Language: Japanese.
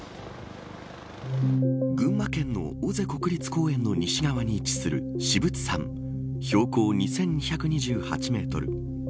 群馬県の尾瀬国立公園の西側に位置する至仏山、標高２２２８メートル。